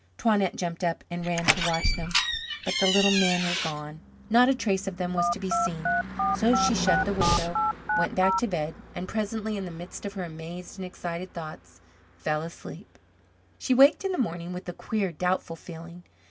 Toinette jumped up and ran to watch them but the little men were gone not a trace of them was to be seen; so she shut the window, went back to bed and presently in the midst of her amazed and excited thoughts fell asleep. She waked in the morning, with a queer, doubtful feeling.